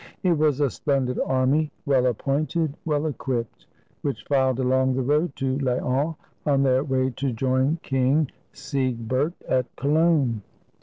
It was a splendid army, well appointed, well equipped, which filed along the road to Laon, on their way to join King Siegbert at Cologne.